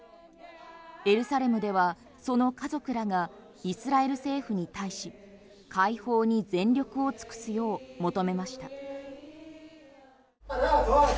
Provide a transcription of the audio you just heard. エルサレムでは、その家族らがイスラエル政府に対し解放に全力を尽くすよう求めました。